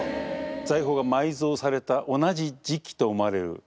財宝が埋蔵された同じ時期と思われる頃にですね